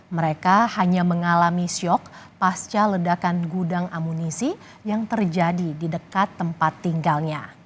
mereka hanya mengalami syok pasca ledakan gudang amunisi yang terjadi di dekat tempat tinggalnya